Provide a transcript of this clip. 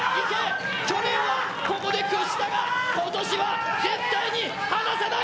去年はここで屈したが今年は絶対に離せない。